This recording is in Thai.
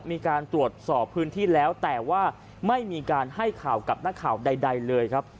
มีการตรวจสอบพื้นที่แล้วแต่ว่าไม่มีการให้ข่าวกับนักข่าวใดเลยครับ